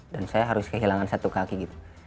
dan saya harus kehilangan satu kaki gitu